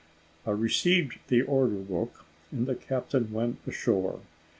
I received the order book, and the captain went ashore.